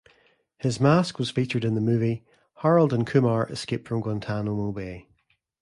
His mask was featured in the movie "Harold and Kumar Escape From Guantanamo Bay".